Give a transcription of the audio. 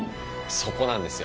そこなんですよ。